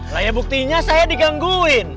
lah ya buktinya saya digangguin